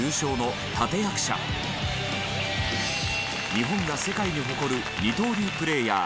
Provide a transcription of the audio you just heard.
日本が世界に誇る二刀流プレーヤー